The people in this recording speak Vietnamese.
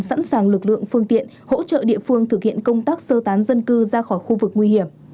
sẵn sàng lực lượng phương tiện hỗ trợ địa phương thực hiện công tác sơ tán dân cư ra khỏi khu vực nguy hiểm